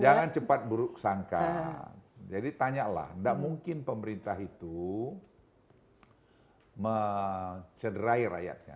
jangan cepat buruk sangka jadi tanyalah tidak mungkin pemerintah itu mencederai rakyatnya